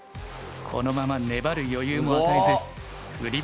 このまま粘る余裕も与えず振り